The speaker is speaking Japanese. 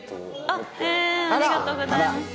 ありがとうございます。